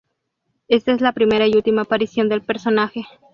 Esta es la primera y última aparición del personaje.